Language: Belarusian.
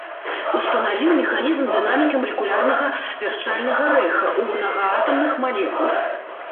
Устанавіў механізм дынамікі малекулярнага вярчальнага рэха ў мнагаатамных малекул.